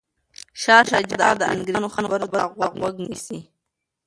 شاه شجاع د انګریزانو خبرو ته غوږ نیسي.